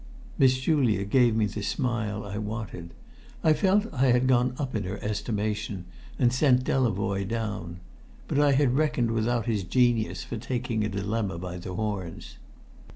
Miss Julia gave me the smile I wanted. I felt I had gone up in her estimation, and sent Delavoye down. But I had reckoned without his genius for taking a dilemma by the horns.